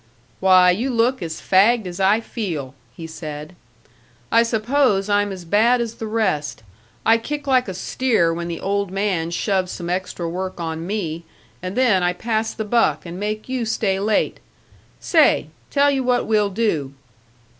"Why, you look as fagged as I feel," he said. "I suppose I'm as bad as the rest. I kick like a steer when the Old Man shoves some extra work on me, and then I pass the buck and make you stay late. Say! Tell you what we'll do."